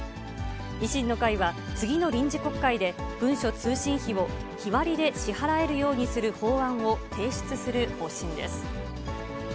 維新の会は、次の臨時国会で、文書通信費を日割りで支払えるようにする法案を提出する方針です。